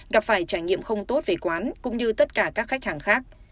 gặp phải trải nghiệm không tốt về quán cũng như tất cả các khách hàng khác